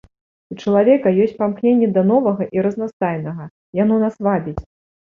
У чалавека ёсць памкненні да новага і разнастайнага, яно нас вабіць.